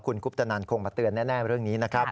คุณคุปตนันคงมาเตือนแน่เรื่องนี้นะครับ